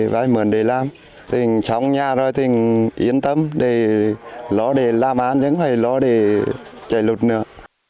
vài mượn để làm thì chồng nhà rồi thì yên tâm nó để làm ăn chẳng phải nó để chạy lụt nữa